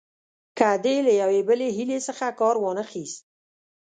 که دې له یوې بلې حیلې څخه کار وانه خیست.